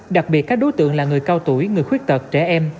đặc biệt các đối tượng là người cao tuổi người khuyết tật trẻ em